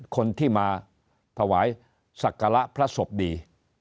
คนที่มาถวายศักระพระศพดี